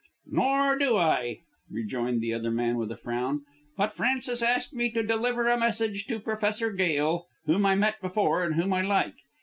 "Nor do I," rejoined the other man with a frown, "but Frances asked me to deliver a message to Professor Gail, whom I met before and whom I like.